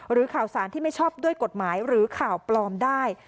ข่าวสารที่ไม่ชอบด้วยกฎหมายหรือข่าวปลอมได้